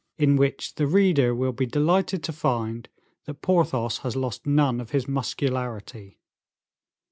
In Which the Reader will be Delighted to Find that Porthos Has Lost Nothing of His Muscularity.